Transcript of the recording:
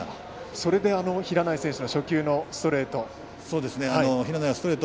それで平内選手の初球のストレート。